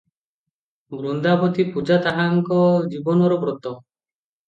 ବୃନ୍ଦାବତୀ ପୂଜା ତାହାଙ୍କ ଜୀବନର ବ୍ରତ ।